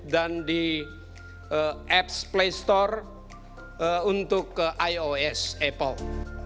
dan di apps play store untuk ios apple